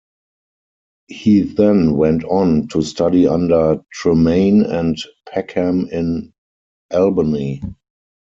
He then went on to study under Tremain and Peckham in Albany.